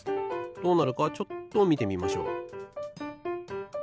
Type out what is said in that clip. どうなるかちょっとみてみましょう。